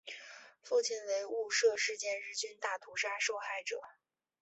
父亲为雾社事件日军大屠杀受害者。